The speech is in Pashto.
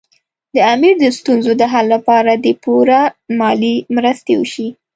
د امیر د ستونزو د حل لپاره دې پوره مالي مرستې وشي.